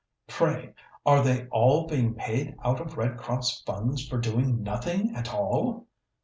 Pray, are they all being paid out of Red Cross funds for doing nothing at all?"